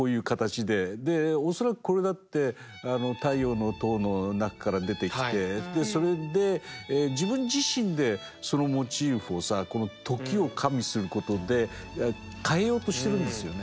で恐らくこれだって「太陽の塔」の中から出てきてそれで自分自身でそのモチーフを時を加味することで変えようとしてるんですよね。